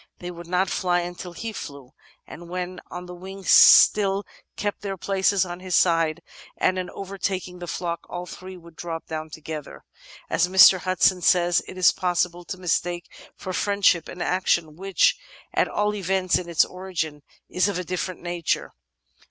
They would not fly until he flew, and when on the wing still kept their places at his side, and on overtaking the flock all three would drop down together." As Mr. Hudson says, it is possible to mistake for friendship an action which, at all events in its origin, is of a different nature.